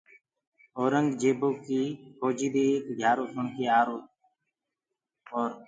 اورنٚگجيبو ڪيٚ ڦوجيٚ دي ايڪ گھيآرو سُڻ ڪي آرو اور